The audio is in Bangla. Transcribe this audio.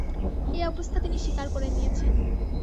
এ-অবস্থা তিনি স্বীকার করে নিয়েছেন!